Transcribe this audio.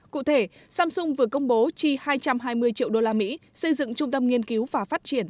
cụ thể samsung vừa công bố chi hai trăm hai mươi triệu đô la mỹ xây dựng trung tâm nghiên cứu và phát triển